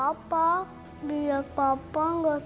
biar papa gak sedih buat gantiin tante bella juga